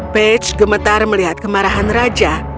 page gemetar melihat kemarahan raja